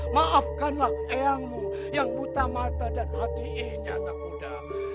maafkanlah eyangmu yang buta mata dan hati e ini anak muda